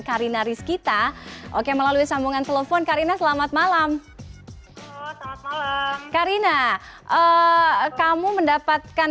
karina riz kita oke melalui sambungan telepon karina selamat malam karina kamu mendapatkan